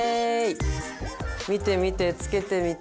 見て見てつけてみた。